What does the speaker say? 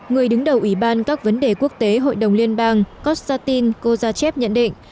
người đứng đầu ủy ban các vấn đề quốc tế hội đồng liên bang koshtatin kozachev nhận định